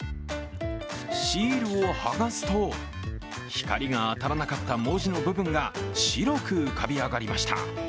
シールを剥がすと、光が当たらなかった文字の部分が白く浮かび上がりました。